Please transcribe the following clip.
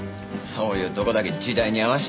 そういうとこだけ時代に合わせちゃって。